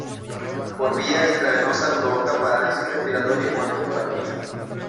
Por vía intravenosa provoca parálisis respiratoria y muerte por asfixia.